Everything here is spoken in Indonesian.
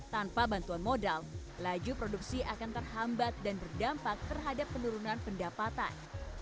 tanpa bantuan modal laju produksi akan terhambat dan berdampak terhadap penurunan pendapatan